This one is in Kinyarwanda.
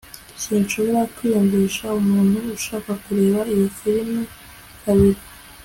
Sinshobora kwiyumvisha umuntu ushaka kureba iyo firime kabiri